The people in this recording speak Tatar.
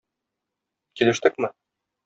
Килештекме?..